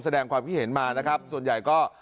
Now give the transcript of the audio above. แสดงความคิดเห็นมานะครับส่วนใหญ่ก็